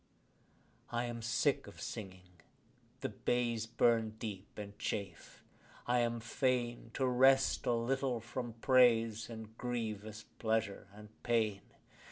I am sick of singing: the bays burn deep and chafe: I am fain To rest a little from praise and grievous pleasure and pain.